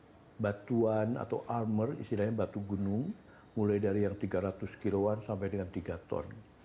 kami menggunakan batu gunung atau armour istilahnya batu gunung mulai dari yang tiga ratus kilo sampai dengan tiga ton